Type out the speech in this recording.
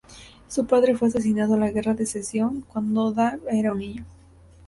Su padre fue asesinado en la Guerra de Secesión cuando Dave era un niño.